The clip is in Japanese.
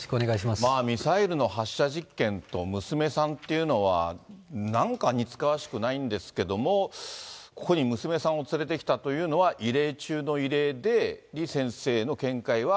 ミサイルの発射実験と娘さんっていうのは、なんか似つかわしくないんですけど、ここに娘さんを連れてきたというのは、異例中の異例で、李先生の見解は。